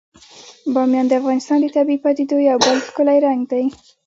بامیان د افغانستان د طبیعي پدیدو یو بل ښکلی رنګ دی.